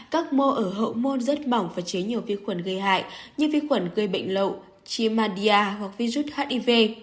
các mô ở hậu môn rất mỏng và chế nhiều vi khuẩn gây hại như vi khuẩn gây bệnh lộ chimadia hoặc virus hiv